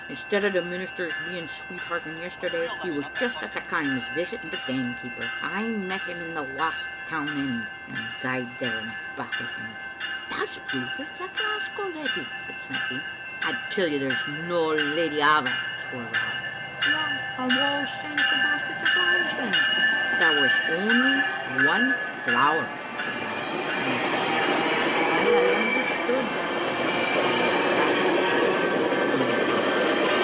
Instead o' the minister's being sweethearting yesterday, he was just at the Kaims visiting the gamekeeper. I met him in the Wast town end, and gaed there and back wi' him." Digitized by VjOOQ IC 160 XSbc Xfttte A(nf0tet. "That's proof it's a Glasgow leddy," said Snecky. I tell you there's no leddy ava!" swore Rob. "Yea, and wha sends the baskets o' flowers, then?" "There was only one flower," said Rob, turning to his host. "I aye understood," said Haggart heavily, "that there was only one flower.